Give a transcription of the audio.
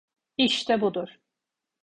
İşte budur.